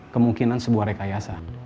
kemungkinan sebuah rekayasa